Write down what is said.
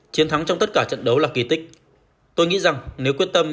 chiến thắng trong tất cả trận đấu là kỳ tích tôi nghĩ rằng nếu quyết tâm